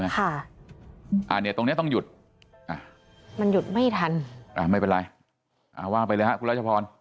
อันนี้ตรงนี้ต้องหยุดมันหยุดไม่ทันไม่เป็นไรอ่าว่าไปเลยครับคุณรัชพร